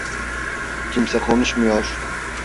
Kimse konuşmuyor.